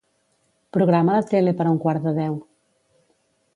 Programa la tele per a un quart de deu.